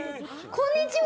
こんにちは。